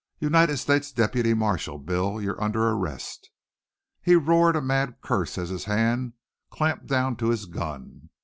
"United States deputy marshal. Bill, you're under arrest!" He roared a mad curse as his hand clapped down to his gun.